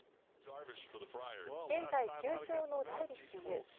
現在９勝のダルビッシュ有。